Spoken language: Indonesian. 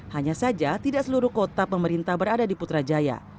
hanya saja tidak seluruh kota pemerintah berada di putrajaya